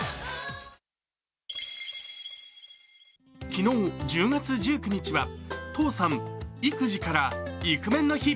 昨日、１０月１９日は父さん、育児からイクメンの日。